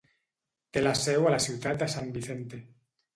Té la seu a la ciutat de San Vicente.